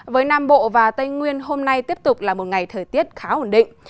với nam bộ và tây nguyên hôm nay tiếp tục là một ngày thời tiết khá ổn định